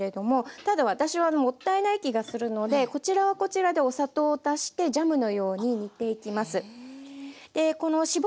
ただ私はもったいない気がするのでこちらはこちらでお砂糖を足してジャムのように煮ていきます。